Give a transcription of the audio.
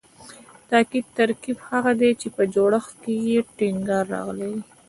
تاکیدي ترکیب هغه دﺉ، چي په جوړښت کښي ئې ټینګار راغلی یي.